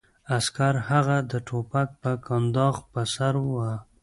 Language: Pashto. عسکر هغه د ټوپک په کنداغ په سر وواهه